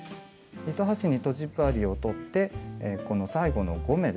糸端にとじ針をとってこの最後の５目ですね。